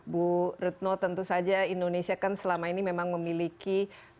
bu retno tentu saja indonesia kan selama ini memang memiliki